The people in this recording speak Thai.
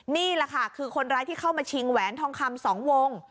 นี่แหละค่ะคือคนร้ายที่เข้ามาชิงแหวนทองคำ๒วง